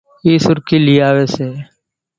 اِي سُرکِي لئِي آويَ سي۔